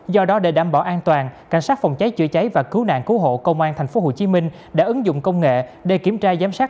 do đó để đảm bảo an toàn cảnh sát phòng cháy chữa cháy và cứu nạn cứu hộ công an tp hcm đã ứng dụng công nghệ để kiểm tra giám sát